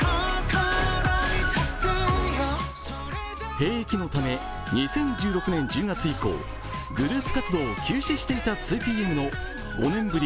兵役のため２０１６年１０月以降グループ活動を休止していた２ＰＭの５年ぶり